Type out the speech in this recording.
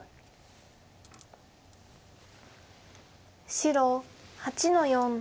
白８の四。